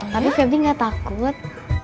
tapi febri gak takut